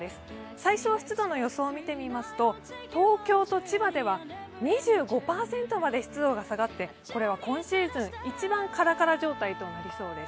最小湿度の予想を見てみますと、東京と千葉では２５％まで湿度が下がって、これは今シーズン一番カラカラ状態となりそうです。